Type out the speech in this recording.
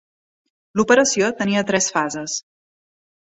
L'operació tenia tres fases.